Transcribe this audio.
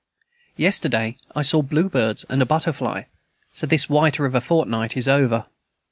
Yesterday I saw bluebirds and a butterfly; so this whiter of a fortnight is over.